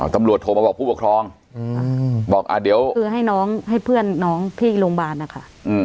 ตำรวจโทรมาบอกผู้ปกครองคือให้เพื่อนน้องที่โรงพยาบาลอะค่ะ